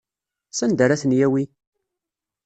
Sanda ara ten-yawi?